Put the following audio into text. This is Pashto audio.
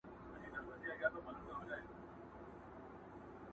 چي منلی پر کابل او هندوستان وو٫